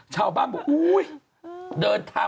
ก็ไม่รู้อ่ะ